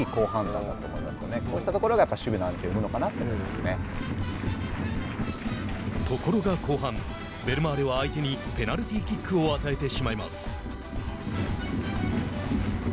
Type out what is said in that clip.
こうしたところが守備の安定を生むのかなとところが、後半ベルマーレは相手にペナルティーキックを与えてしまいます。